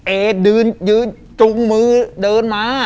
เอยืนจุงมือเดินมา